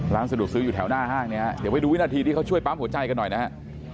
ร้านสะดวกซื้ออยู่แถวหน้าห้างเนี่ยเดี๋ยวไปดูวินาทีที่เขาช่วยปั๊มหัวใจกันหน่อยนะฮะ